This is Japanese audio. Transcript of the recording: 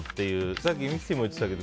さっきミキティも言っていたけど。